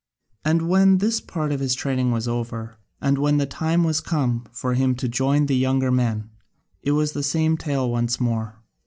And when this part of his training was over, and the time was come for him to join the younger men, it was the same tale once more.